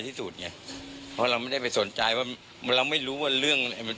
พี่สมหมายก็เลย